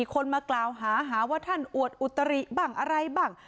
คนมากล่าวหาหาว่าท่านอวดอุตริบ้างอะไรบ้าง